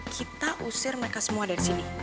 kita usir mereka semua dari sini